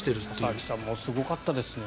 佐々木さんもすごかったですね。